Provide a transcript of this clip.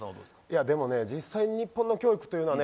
いやでもね実際に日本の教育っていうのはね